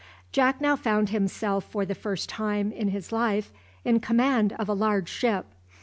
Jack now found himself for the first time in his life in command of a large ship.